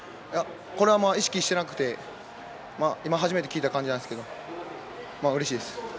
これはあんまり意識してなくて今、初めて聞いた感じなんですけどうれしいです。